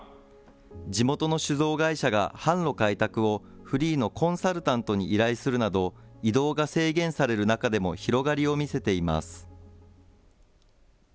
地元の酒造会社が販路開拓をフリーのコンサルタントに依頼するなど、移動が制限される中でも広がりを見せています。